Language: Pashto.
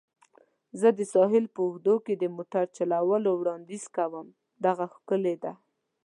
زه د ساحل په اوږدو کې د موټر چلولو وړاندیز کوم. دغه ښکلې ده.